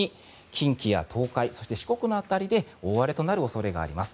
近畿や東海そして四国の辺りで大荒れとなる恐れがあります。